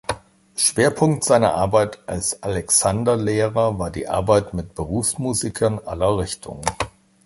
Schwerpunkt seiner Arbeit als Alexander-Lehrer war die Arbeit mit Berufsmusikern aller Richtungen.